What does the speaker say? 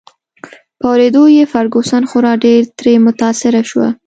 په اوریدو یې فرګوسن خورا ډېر ترې متاثره شوه.